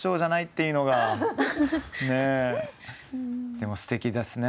でもすてきですね